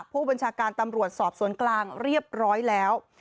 ผู้บัญชาการตำรวจสอบสวนกลางเรียบร้อยแล้ว